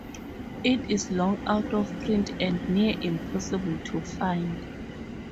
It is long out of print and near impossible to find.